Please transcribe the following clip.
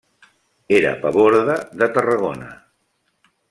Era paborde de Tarragona.